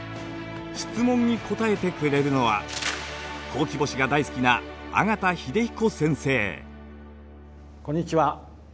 質問に答えてくれるのはほうき星が大好きなこんにちは。